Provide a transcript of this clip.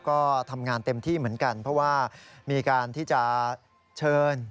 ก็ทำงานเต็มที่เหมือนกันเพราะว่ามีการที่จะเชิญ